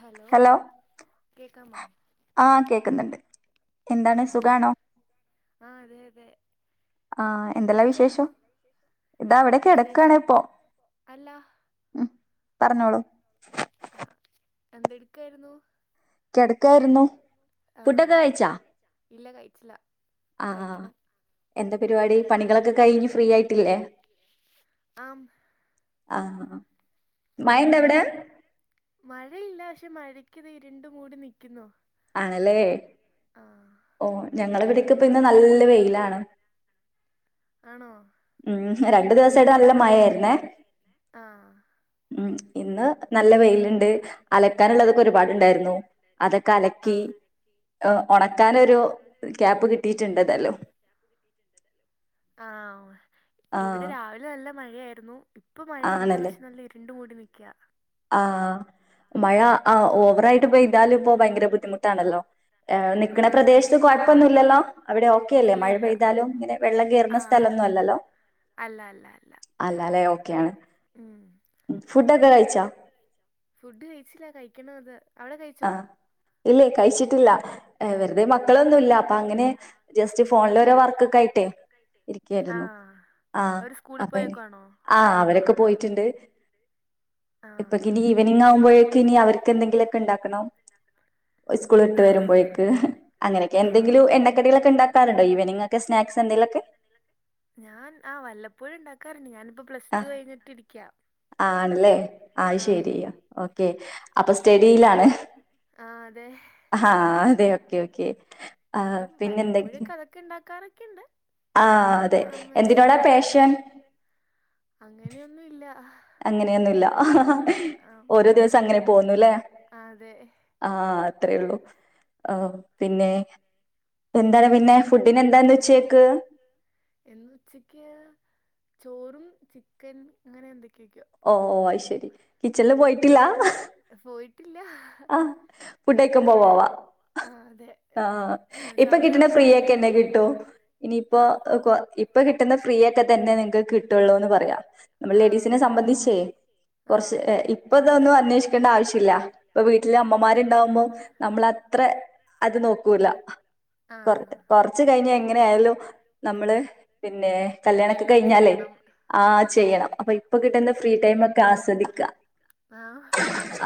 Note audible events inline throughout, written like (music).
Hello കേക്കാമോ ആഹ് കേക്കുന്ന്ണ്ട് ആഹ് ആഹ് അതെ അതെ എന്തെട്ക്കേയിരുന്നു വിശേഷ് അല്ല ഉം പറഞ്ഞോളൂ ആഹ് എന്തെടുക്കായിരുന്നു. ആഹ് ഇല്ല കഴിച്ചില്ല കഴിക്കണം ആഹ് പണികളൊക്കെ കഴിഞ്ഞ് ഫ്രീ ആയിട്ടില്ലേ ആം ആഹ് മയ ഉണ്ടവിടെ മഴയില്ല പക്ഷെ മഴക്കിത് ഇരുണ്ട് മൂടി നിക്കുന്നു. ആണല്ലേ ഓ ഞങ്ങടെവിടെക്കെ ഇപ്പ ഇന്ന് നല്ല വെയിലാണ്. ആണോ ഉം രണ്ടു ദിവസായിട്ട് നല്ല മഴയാര്ന്നേ ഉം ഇന്ന് നല്ല വെയില്. ഇണ്ട് അലക്കാനുള്ളതൊക്കെ ഒരുപാടുണ്ടായിരുന്നു. അതൊക്കെ അലക്കി. ഒണക്കാനൊരു ക്യാപ്പ് കിട്ടീട്ടുണ്ടെ താലും. ആഹ് ഇവിടെ രാവിലെ നല്ല മഴയാര്ന്നു. ഇപ്പൊ മഴയില്ല പക്ഷെ നല്ല ഇരുണ്ട് മൂടി നിക്കാ. ആഹ് മഴ ആ ഓവറായിട്ട് പെയ്താല് ഇപ്പ ഭയങ്കര ബുദ്ധിമുട്ടാണല്ലോ. നിക്ക്ണ പ്രദേശത്ത് കൊഴപ്പൊന്നുല്ലല്ലോ അവിടെ ഓക്കെ അല്ലേ മഴ പെയ്താലും ഇങ്ങനെ. വെള്ളം കേറുന്ന സ്ഥലൊന്നും അല്ലല്ലോ? അല്ല അല്ല അല്ല. അല്ലല്ലെ ഓക്കെയാണ്, ഫുഡൊക്കെ കഴിച്ചോ? ഫുഡ് കഴിച്ചില്ല കഴിക്കണത് അവടെ കഴിച്ചോ? ഇല്ല കഴിച്ചിട്ടില്ല, വെറുതെ മക്കളൊന്നുല്ല അപ്പൊ അങ്ങനെ ജസ്റ്റ് ഫോണിൽ ഒരോ വർക്കൊക്കെ ആയിട്ടേയ്. ഇരിക്കായിരുന്നു ആഹ് അപ്പ ആഹ് അവരൊക്കെ പോയിട്ടുണ്ട്. ഇപ്പൊക്കിനി ഈവനിങ് ആവുമ്പോഴേക്ക് ഇനി അവർക്ക് എന്തെങ്കിലോക്കെ ണ്ടാക്കണം. സ്കൂള് വ്ട്ട് വരുമ്പോഴേക്ക് അങ്ങനൊക്കെ എന്തെങ്കിലു എണ്ണക്കടികളൊക്കെ ണ്ടാക്കാറുണ്ടോ ഈവനിങ് ഒക്കെ സ്നാക്സ് എന്തെലൊക്കെ? ഞാൻ ആഹ് വല്ലപ്പോഴും ണ്ടാക്കാറുണ്ട് ഞാനിപ്പോ പ്ലസ്ടു കഴിഞ്ഞിട്ട് ഇരിക്കാ. ആ ആണല്ലേ ആയ് ശരിയ ഓക്കെ അപ്പൊ സ്റ്റേഡി ആഹ് അതെ. അഹാ അതെ ഓക്കെ ഓക്കെ. അപ്പം വല്ലപ്പൊഴക്കെ അതൊക്കെ ണ്ടാക്കാറൊക്കെണ്ട്. ആഹ് അതെ എന്തിനോടാ പേഷ്യൻ? അങ്ങനെയൊന്നും ഇല്ല. അങ്ങനെയൊന്നുല്ല അഹ്ഹ ഓരോ ദിവസം അങ്ങനെ പോവുന്നുല്ലേ. ആഹ് അത്രേയള്ളു ആഹ് പിന്നെ. എന്താണ് പിന്നെ ഫുഡിന് എന്താന്ന് ഉച്ചേക്ക്? എന്നുച്ചക്ക് ചോറും ചിക്കൻ അങ്ങനെ എന്തൊക്കൊക്കോ. ഓഹ്ഹ് അയ്ശരി കിച്ചൺല് പോയിട്ടില്ലാ. ഫോയിട്ടില്ലാ. ആഹ്, ഫുഡ്‌കയിക്കുമ്പോ പോവാ. ആഹ്ഹ് ഇപ്പൊ കിട്ടുന്ന ഫ്രീ ഒക്കെ ഇന്നെ കിട്ടൂ. ഇനിയിപ്പോ ഇപ്പൊ കിട്ടുന്ന ഫ്രീ ഒക്കെ തന്നെ നിങ്ങക്ക് കിട്ടുള്ളൂന്ന് പറയാ. നമ്മള് ലേഡീസിനെ സംബന്ധിച് ആഹ്. ഇപ്പൊ ഇതൊന്നും അന്വേഷിക്കണ്ട ആവശ്യല്ല. ഇപ്പൊ വീട്ടില് അമ്മമാരുണ്ടകുമ്പോ നമ്മളത്ര അത് നോക്കൂ ല്ല കൊർ കൊർച് കഴിഞാ എങ്ങനെ ആയാലും നമ്മള് പിന്നെ കല്യാണോക്കെ കഴിഞ്ഞാലേയ് ആഹ് ചെയ്യണം, അപ്പൊ ഇപ്പൊ കിട്ടുന്ന ഫ്രീ ടൈമോക്കെ ആസ്വദിക്കാ.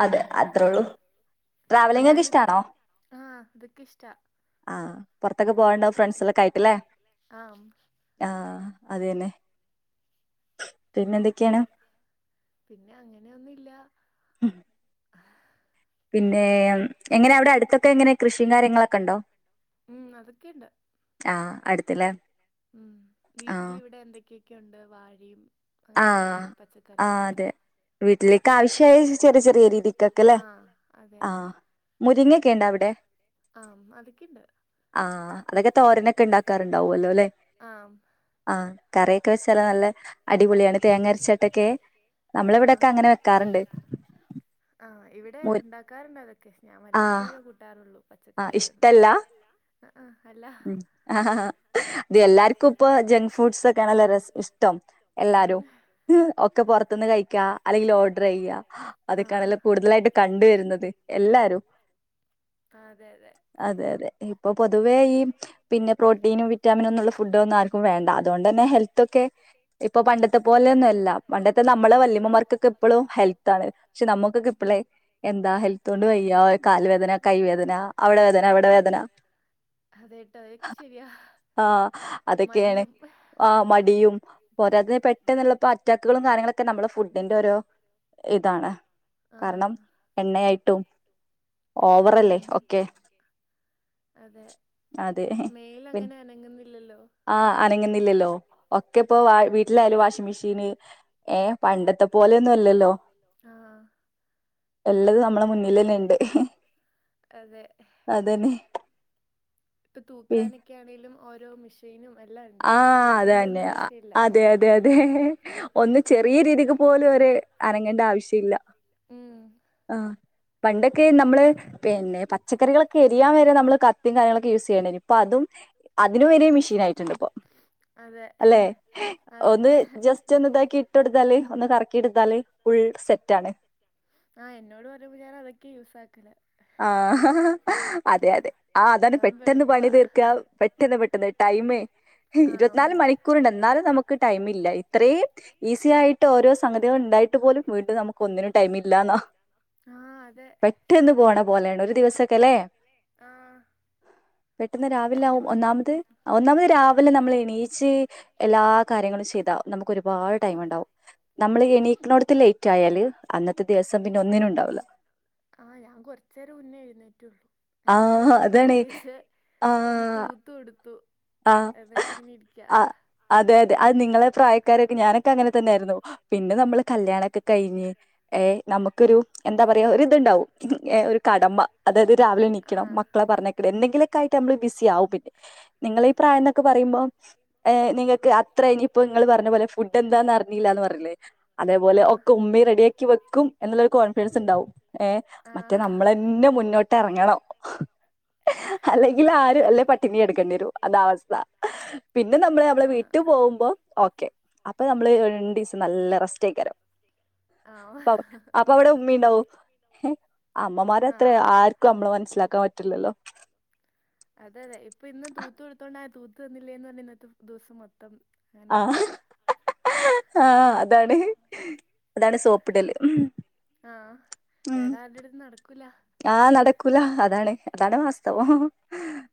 അതെ അത്രേള്ളൂ. എന്നാലും ആഹ് അതൊക്കെ ഇഷ്ടാ. ആഹ്, പൊറത്തൊക്കെ പോവാണ്ടാവും ഫ്രണ്ട്സളോക്കെ ആയിട്ടല്ലേ. ആഹ്, അതന്നെ പിന്നെ എന്തൊക്കെയാണ്? പിന്നെ അങ്ങനെയൊന്നുല്ലാ. (inaudible) (inaudible) പിന്നെ എങ്ങനെ അവടെ അടുത്തൊക്കെ എങ്ങനെ കൃഷിം കാര്യങ്ങളൊക്കെ ഉണ്ടോ? ആഹ് അടുത്ല്ലേ. ഉം, വീട്ടിൽ വിടെ എന്തൊക്കെയൊക്കെയുണ്ട് വാഴയും അങ്ങനെ കൊറെ പച്ചക്കറികളൊക്കെ. വീട്ടിലേക്കു ആവശ്യആയ ചെറിയ ചെറിയ (unintelligible) ആഹ് അതെ. ആഹ് അതൊക്കെണ്ട്. ആഹ്, അതൊക്കെ തോരനൊക്കെ ണ്ടാക്കാറുണ്ടാവല്ലോലേ. ആഹ്, കറിയൊക്കെ വെച്ചാല നല്ല അടിപൊളിയാണ് തേങ്ങരച്ചേട്ടൊക്കെ നമ്മളവിടെക്കെ അങ്ങനെ വെക്കാറുണ്ട്. ആഹ് ഇവിടെ ണ്ടാക്കാറുണ്ട് അതൊക്കെ ഞാൻ വല്ല പ്പോഴേ കൂട്ടാറൊള്ളു. പച്ചക്കറി ആയോണ്ട്, ഇഷ്ടല്ല അ അ അല്ല. (unintelligible) അത് എല്ലാർക്കും ഇപ്പൊ ജങ്ക് ഫുഡ്സ്ക്കെണല്ലോ ളരെ ഇഷ്ടം എല്ലാരും ഒക്കെ പുറത്തുന്ന് കഴിക്കാ അല്ലെങ്കിൽ ഓർഡർ ചെയ്യാ അതൊക്കാണല്ലോ കൂടുതലായിട്ട് കണ്ട് വരുന്നത് എല്ലാരും ആഹ് അതെ അതെ ഇപ്പൊ പൊതുവേ ഈ പിന്നെ പ്രോട്ടീനും വിറ്റാമിനും ഒന്നുള്ള ഫുഡ് ഒന്നും ആർക്കും വേണ്ട അതോണ്ട്ന്നെ ഹെൽത്തൊക്കെ ഇപ്പൊ പണ്ടത്തെ പോലെയൊന്നും അല്ല പണ്ടത്തെ നമ്മളെ വല്യമ്മമാർക്കൊക്കെ ഇപ്പളും ഹെൽത്ത് ആണ് പക്ഷെ നമ്മുക്കൊക്കെ ഇപ്പളേ എന്താ ഹെൽത്തോണ്ട് വയ്യ കാല് വേദന കൈ വേദന അവിടെ വേദന ഇവിടെ വേദന അതെ ട്ടായി ആഹ് അതൊക്കെയാണ് ആഹ് മടിയും പോരാത്തിന് പെട്ടെന്നുള്ള ഇപ്പോ അറ്റാക്കുകളും കാര്യങ്ങളൊക്കെ നമ്മുടെ ഫുഡിന്റെ ഓരോ ഇതാണ് കാരണം എണ്ണയായിട്ടും ഓവറല്ലേ ഒക്കെ അതെ അതെ പി ആഹ് അനങ്ങുന്നില്ലല്ലോ ഒക്കെ ഇപ്പോ വ വീട്ടിലായാലും വാഷിംഗ് മെഷീന് ഏഹ് പണ്ടത്തെ പോലെയൊന്നും അല്ലല്ലോ എല്ലതും നമ്മളെ മുന്നിലെന്നെ ഇണ്ട് അതെ അതന്നെ ഇപ്പൊ തൂക്കാനൊക്കെ ആണേലും ഓരോ മെഷീനും എല്ലാം ഉണ്ട് ആഹ് അത തന്നെ അതെ അതെ അതെ ഒന്ന് ചെറിയ രീതിക്ക് പോലും ഓര് അനങ്ങേണ്ട ആവശ്യല്ല ഉം ആഹ് പണ്ടൊക്കെ നമ്മള് പിന്നെ പച്ചക്കറികളൊക്കെ ക്കെ എരിയാൻ വരെ നമ്മള് കത്തിം കാര്യങ്ങളൊക്കെ യൂസ് ചെയ്യല്ണ്ടേന് ഇപ്പം അതും അതിന് വരെ മെഷീൻ ആയിട്ടുണ്ട് ഇപ്പൊ (unintelligible) അല്ലെ ഒന്ന് ജസ്റ്റ് ഒന്ന് ഇതാക്കി ഇട്ട് കൊടുത്താല് ഒന്ന് കറക്കി എടുത്താല് ഫുൾ സെറ്റ് ആണ് ആഹ് എന്നോട് പറയുഞ്ഞപ്പൊ ഞാൻ അതൊക്കെ യൂസ്സാക്കല് ആഹ് അതെ അതെ ആഹ് അതാണ് പെട്ടെന്ന് പണി തീർക്ക പെട്ട ട്ടെന്ന് പെട്ടെന്ന് ടൈമെ ഇരുപത് നാൽ മണിക്കൂർണ്ട് എന്നാലും നമുക്ക് ടൈം ഇല്ല ഇത്രയും ഈസി ആയി ട്ടോരോ സംഗതികൾ ഉണ്ടായിട്ട് പോലും വീണ്ടും നമുക്ക് ഒന്നിനും ടൈംമില്ലാന്നാ ആഹ് അതെ ആഹ് പെട്ടെന്ന് രാവിലെ ആവും ഒന്നാമത് ഒന്നാമത് രാവിലെ നമ്മൾ എണീച്ച് എല്ലാ കാര്യങ്ങളും ചെയ്താ നമുക്ക് ഒരുപാട് ടൈം ഇണ്ടാവും നമ്മള് എണീക്ക്ണോട്ത്ത് ലേറ്റ് ആയാല് അന്നത്തെ ദിവസം പിന്നെ ഒന്നിനും ഉണ്ടാവൂല ആ് ഞാൻ കുറച്ചേരം മുന്നേ എഴുന്നേറ്റൊള്ളൂ എന്നിട്ട് ഇവിടെ ഫുഡ് കഴിച്ച് ഒന്ന് തൂത്ത് കൊടുത്തു ആഹ ആഹ് അതെ അതെ അത് നിങ്ങളെ പ്രായക്കാരൊക്കെ ഞാനൊക്കെ അങ്ങനെ തന്നെയായിരുന്നു പിന്നെ നമ്മള് കല്യാണൊക്കെ കയിഞ്ഞ് ഏഹ് നമുക്കൊരു എന്താ പറയാ ഒരു ഇതുണ്ടാവും ഒരു കടമ അതായത് രാവിലെ എണീക്കണം മക്കളെ പറഞ്ഞ എന്തെങ്കിലും ഒക്കെ ആയിട്ട് നമ്മള് ബിസി ആവും പിന്നെ നിങ്ങളെ ഈ പ്രായം ന്നൊക്കെ പറയുമ്പോ നിങ്ങക്ക് അത്ര അത്ര ഇനി ഇപ്പോ ഇങ്ങള് പറഞ്ഞ പോല ഫുഡ് എന്താന്നറിഞ്ഞീല്ലാന്ന് പറഞ്ഞില്ലേ അതേപോലെ ഒക്കെ ഉമ്മി റെഡിയാക്കി വെക്കും എന്നുള്ളൊരു കോൺഫിഡൻസ് ഇണ്ടാവും ഏഹ് മറ്റേ നമ്മളെന്നെ മുന്നോട്ട് ഇറങ്ങണം അല്ലെങ്കിൽ ആ അല്ലേ പട്ടിണി കെടക്കേണ്ടി വരും അതാ അവസ്ഥ പിന്നെ നമ്മള് നമ്മളെ വീട്ടിൽ പോവ്മ്പോ ഓക്കെ അപ്പൊ നമ്മള് രണ്ടീസം നല്ല റസ്റ്റ് ഏയിക്കാരം അപ്പൊ അപ്പ അവിടെ ഉമ്മി ഇണ്ടാവും അമ്മമാരെ അത്ര ആർ ക്ക് നമ്മളെ മനസിലാക്കാൻ പറ്റില്ലല്ലോ? അതെ അതെ ഇപ്പൊ ഇന്ന്തൂത്ത് കൊടുത്തോണ്ട് ആ തൂത്ത് തന്നില്ലേന്ന് പറഞ്ഞ് ഇന്നത്തെ ദിവസം മൊത്തം. ആഹ് ആഹ അതാണ്. (unintelligible) അതാണ് സോപ്പിടല് ഉ ഉം ആഹ് നടക്കൂല അതാണ് അതാണ് വാസ്തവം.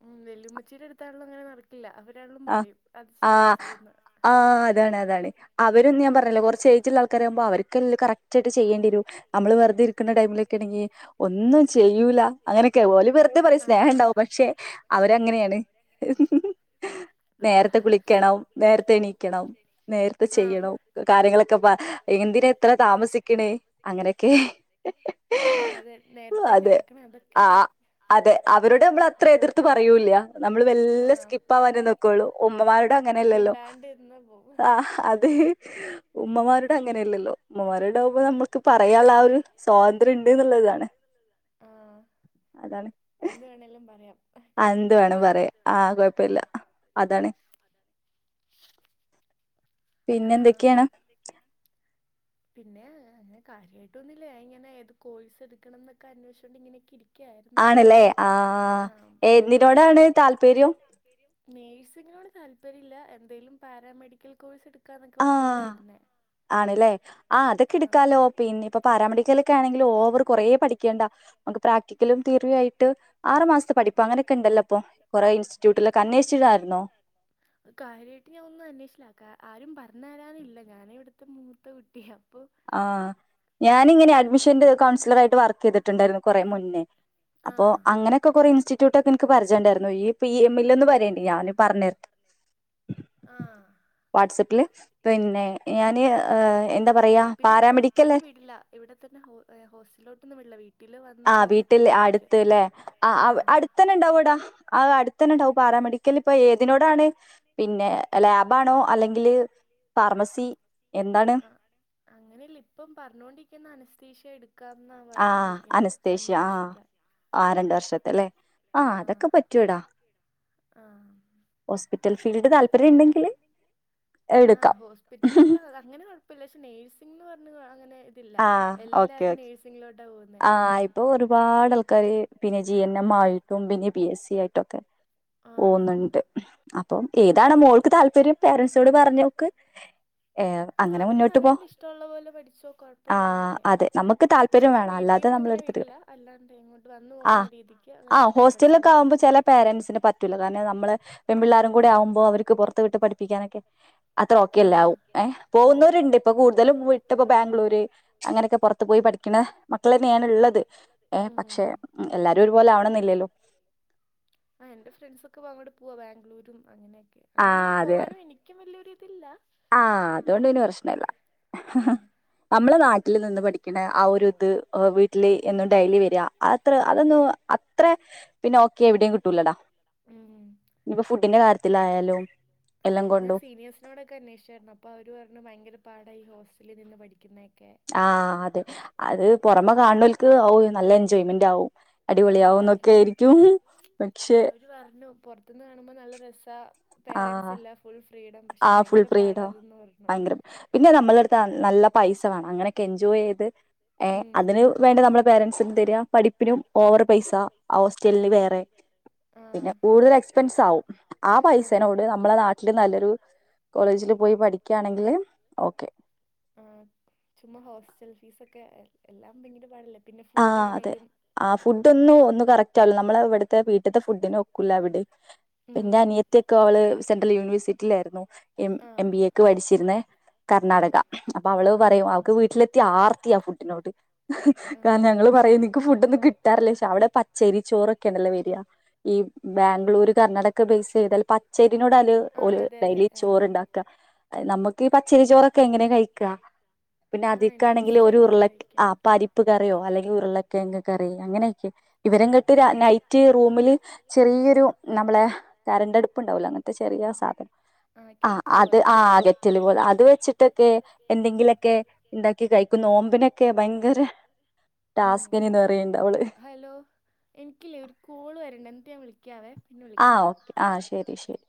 ഉ വെല്ലുമ്മച്ചീടെ അടുത്താളിലും അങ്ങനെ നടക്കില്ല അവരാളും പറയും അത് ചെയ് ഇത് ചെയ്യുന്. ആ അതാണ് അതാണ് അവരും ഞാൻ പറഞ്ഞില്ല കുറച്ച് ഏജുള്ള ആൾക്കാരാ ആവുമ്പോ അവർക്കെല്ലാം കറക്റ്റ്. ആയിട്ട് ചെയ്യണ്ടി വരും നമ്മള് വെറുതെയിരിക്കുന്ന ടൈമിലൊക്കെ ആണെങ്കിൽ. ഒന്നും ചെയ്യൂല അങ്ങനെയൊക്കെ ഓല് വെറുതെ പറയും സ്നേഹം ഉണ്ടാവും പക്ഷെ അവരങ്ങനെയാണ്. ഹി ഹി നേരത്തെ കുളിക്കണം നേരത്തെ എണീക്കണം നേരത്തെ ചെയ്യണം കാര്യങ്ങളൊക്കെ എന്തിന. ഇത്ര താമസിക്കണേ അങ്ങനെയൊക്കെ അതെ ആ അതെ അവരോട് നമ്മൾ അത്ര എതിർത്ത് പറയൂല്ല നമ്മള് വല്ല സ്കിപ്പ് ആവാനെ. നോക്കൊ ളു ഉമ്മമാരോട് അങ്ങനെയല്ലല്ലോ ആ അതെ. ഉമ്മമാരോട് അങ്ങനെയല്ലല്ലോ ഉമ്മമാരോടാകുമ്പോ നമ്മക്ക്. പറയാനുള്ള ആ ഒരു സ്വാതന്ത്ര്യം ഉണ്ട് എന്നുള്ളതാണ് അതാണ്. എന്ത്തു വേണേലും പറയാം. ആ എന്തു വേണേലും പറയ ആഹ കൊഴപ്പില്ല അതാണ്. ആഹ പിന്നെ എന്തൊക്കെയാണ്? പിന്നെ അങ്ങനെ കാര്യമായിട്ട് ഒന്നുമില്ല ഇങ്ങനെ ഏത് കോഴ്സ് എടുക്കണം എന്നൊക്കെ അന്വേഷിച്ചുകൊണ്ട് ഇങ്ങനെയൊക്കെ ഇരിക്ക. ആണല്ലേ ആ എന്തിനോടാണ് താല്പര്യം? നഴ്സിങ്ങിനോട് താല്പര്യല്ല എന്തെങ്കലും പാരാമെഡിക്കൽ കോഴ്സ് എടു എടുകാന്നൊക്കെ ഓർത്തോണ്ടാ ഇരുന്നേ. ആണ്ല്ലേ? ആഹ് അതൊക്കെടുക്കാലോ പിന്നെ ഇപ്പൊ പാരാമെഡിക്കല് ഒക്കെ ആണെങ്കിൽ ഓവർ കൊറെേ പഠിക്കേണ്ട. പ്രാക്ടിക്കലും തീയറി ഒക്കെആയിട്ട് ആറ് മാസത്തെ പഠിപ്പും അങ്ങനെയൊക്കെ ഉണ്ടല്ലോപ്പോ കുറെ ഇൻസ്റ്റിറ്റ്യൂട്ടിലായിട്ട്. അന്വേഷിച്ചതായിരുന്നോ കാര്യമായിട്ട് ഞാൻ ഒന്നും അന്വേഷില്ല ആരും പറഞ്ഞു തരാനില്ല ഞാനേ ഇവിടുത്തെ മൂത്തെ കുട്ടിയാ. ആ ഞാനിങ്ങനെ അഡ്മിഷന്റെ കൗൺസിലർ ആയിട്ട് വർക്ക് ചെയ്തിട്ടുണ്ടായിരുന്നു കുറെ മുന്നേ. അപ്പൊ അങ്ങനെയൊക്കെ കുറെ ഇൻസ്റ്റിറ്റ്യൂട്ട് ഒക്കെ എനിക്ക് പരിജയണ്ടായിരുന്നു ഈ പി എം ഇിൽ ഒന്ന് പറയേണ്ടി ഞാന് പറഞ്ഞരണ്ട്. വാട്സപ്പിൽ പിന്നെ ഞാന് എന്താ പറയാ? പിന്നെ പുറത്തോട്ട് വീടില്ല ഇവിടെ തന്നെ ഹോസ്റ്റലോട്ടൊന്നും വിടില്ല വീട്ടി. ആഹ് വീട്ടിൽ അടുത്ത്ല്ലെ ആഹ് അടുത്തന്നെ ഉണ്ടാവടാ ആഹ് അടുത്തന്നെ ഉണ്ടാവും പാരാമെഡിക്കൽ ഇപ്പൊ ഏതിനോടാണ് പിന്നെ ലാബ് ആണോ അല്ലെങ്കിൽ ഫാർമസി എന്താണ് അങ്ങനെയല്ല ഇപ്പം പറഞ്ഞോണ്ടിരിക്കുന്ന അനസ്തീഷ എടു കന്നാ പറഞ്ഞൊണ്ടിരിക്കുന്ന രണ്ടു വർഷത്തെ ആഹ് രണ്ട് വർഷത്തല്ലേ ആഹ് അതൊക്കെ പറ്റൂടാ ആഹ് ഹോസ്പിൽ ൽ ഫീൽഡ് താൽ താല്പര്യം ഉണ്ടങ്കിൽ ആ ഹോസ്പിറ്റൽ ഫീൽഡ്. അങ്ങനെ കുഴപ്പമില്ല പക്ഷെ നേഴ്സിംഗന്ന് പറഞ്ഞ അങ്ങനെ ഇതില്ല എല്ലാവരും നേഴ്സിങ്ങിലോട്ടാണ് പോകുന്ന ഇപ്പൊ ഒരുപാട് ആൾക്കാര് പിന്നെ ജി എൻ എം ആയിട്ടും പിന്നെ ബി എസ് സി ആയിട്ടും ഒക്കെ പോകുന്നുണ്ട് അപ്പം ഏതാണ് മോൾക്ക് താല്പര്യം പേരൻറ്സിനോട് പറഞ്ഞോക്ക് ഏ അങ്ങനെ മുന്നോട്ട് പോ ഇഷ്ടമുള്ള പോല പഠിച്ചോ കുഴ കുഴപ്പില്ലന്നൊക്കെ പക്ഷെ വീട്ടിൽന്ന് അങ്ങനെ വീടില്ല അല്ലാണ്ട് ഇങ്ങോട്ട് വന്ന പോകുന്ന രീതിക്ക് അങ്ങനെ ഹോസ്റ്റലൊക്കെ ആകുമ്പോ ചില പാരൻറ്സിന് പറ്റൂല കാരണം നമ്മള് പെൺപിള്ളേർ കൂടെ ആവുമ്പോ അവർക്ക് പുറത്ത് വിട്ട് പഠിപ്പിക്കാനൊക്കെ അത്ര ഓക്കേ അല്ലാവും ഏഹ് പോകുന്നവരുണ്ട് ഇപ്പൊ കൂടുതലും പെണ്ണ്. ഇതിപ്പോ ബാംഗ്ലൂര് അങ്ങനെയൊക്കെ പുറത്ത് പോയി പഠിക്കുന്ന മക്കൾ തന്നെയാണ് ഉള്ളത്. ഏഹ് പക്ഷേ എല്ലാരും ഒരുപോലെ ആവണന്നില്ലല്ലോ. ആഹ് എന്റെ ഫ്രണ്ട്സൊക്കെ അങ്ങോട്ട് പോവാൻ ബാംഗ്ലൂരും അങ്ങനെയൊക്കെ അങ്ങനെ ഒന്ന് പോവാനോ എനി ക്കും വലിയൊരു ഇതില്ല. ആഹ് അതുകൊണ്ട് പിന്നെ പ്രശ്നയില്ല, നമ്മളെ നാട്ടിൽ നിന്ന് പഠിക്കുന്നു. ആഹ് ഒരു ഇത് വീട്ടില് എന്നും ഡെയിലി വരിക അത്ര അതൊന്ന് അത്ര. പിന്നെ ഓക്കേ എവിടെയും കിട്ടൂല്ലടാ. ഇനിപ്പം ഫുഡിന്റെ കാര്യത്തിലായാലും എല്ലാം കൊണ്ടും. ഞാൻ ഇവിടൊക്കെ അന്വേഷിച്ചായിരുന്നു അപ്പോ അവർ പറഞ്ഞു ഭയങ്കര പാടാ ഈ ഹോസ്റ്റലിൽ നിന്ന് പഠിക്കുന്നതൊക്കെ. ആഹ് അതെ അത് പുറമെ കാണുവർക്ക് ഓഹ് നല്ല എൻജോയ്മെന്റ് ആവും. അടിപൊളിയാവുന്നൊക്കെ ആയിരിക്കും പക്ഷെ. അവര് പറഞ്ഞു പൊറത്തുന്നു കാണുമ്പോൾ നല്ല രസ പേരെന്റ്സ് ഇല്ല. ഫുൾ ഫ്രീഡം പക്ഷെ ഭയങ്കര പാടാ അതെന്നു പറഞ്ഞു. പൈസ വേണം അങ്ങനെയൊക്കെ എൻജോയ് ചെയ്തു. ഏഹ് അതിനുവേണ്ടി നമ്മുടെ പേരെന്റ്സിന് തരിക, പഠിപ്പിനും ഓവർ പൈസ ഹോസ്റ്റലിനെ വേറെ. പിന്നെ കൂടുതൽ എക്സ്പെൻസ് ആവും, ആഹ് പൈസനോട് നമ്മളെ നാട്ടില് നല്ലൊരു. കോളേജില് പോയി പഠിക്കുകയാണെങ്കിൽ ഓക്കേ. ഉം ചുമ്മാ ഹോസ്റ്റൽ ഫീസ് ഒക്കെ എല്ലാം ഭയങ്കര പാടല്ലേ പിന്നെ ഫുഡ് ആണേലും ആഹ്. ആഹ് ഫുഡുയൊന്ന് ഒന്നും കറക്റ്റല്ല, നമ്മള് ഇവിടുത്തെ വീട്ടുത്തെ ഫുഡിന് ഒക്കൂല എവിടെയും. എൻ്റെ അനിയത്തി ഒക്കെ അവള് സെൻട്രൽ യൂണിവേഴ്സിറ്റിയിലായിരുന്നു എം എം ബി എ ക്ക് പഠിച്ചിരുന്നേ. കർണാടക അപ്പൊ അവള് പറയും അവൾക്ക് വീട്ടിൽ എത്തിയാൽ ആർത്തിയാ ഫുഡിനോട്. കാരണം ഞങ്ങള് പറയും നിനക്ക് ഫുഡ് ഒന്നും കിട്ടാറില്ലേ, പക്ഷേ അവിടെ പച്ചേരി ചോറ് ഒക്കെല്ലേ വരിക. ഈ ബാംഗ്ലൂര് കർണാടക ബേസ് ചെയ്താല് പച്ചേരിനോട് അങ്ങ് ഓല് ഡെയിലി ചോറുണ്ടാക്കുക. നമുക്ക് ഈ പച്ചരി ചോറൊക്കെ എങ്ങനെയെ കഴിക്കുക. പിന്നെ അതിക്കാണെങ്കിൽ ഒരു ഉരുള് ആഹ് പരിപ്പ് കറി. അല്ലെങ്കിൽ ഉരുള് കിഴങ്ങ് കറി അങ്ങനെയൊക്കെ. ഇവരും അങ്ങോട്ട് നൈറ്റ് റൂമില് ചെറിയൊരു നമ്മളെ കറന്റ്‌ അടുപ്പ് ഉണ്ടാവൂല്ലോ. അത് ചെറിയ സാധനം. ആഹ് അത് ആഹ് ഗെറ്റില് പോലെ അത് വെച്ചിട്ട് ഒക്കെ എന്തെങ്കിലൊക്കെ ഉണ്ടാക്കി. ക്കി കഴിക്കും, നോമ്പിനൊക്കെ ഭയങ്കര. ടാസ്ക് എന്നു പറയുന്നുണ്ട് അവളെ. ഹലോ എനിക്കില്ലേ ഒരു കോള് വരുണ്ട്, എന്നിട്ട് ഞാൻ വിളിക്കാവേ. ആഹ് ഓ ആഹ് ശരി ശരി.